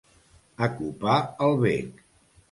Acopar el bec.